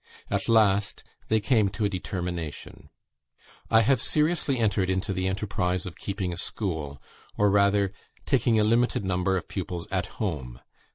At last they came to a determination. "I have seriously entered into the enterprise of keeping a school or rather, taking a limited number of pupils at home.